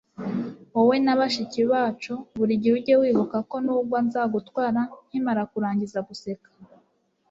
wowe na bashiki bacu. buri gihe ujye wibuka ko nugwa nzagutwara nkimara kurangiza guseka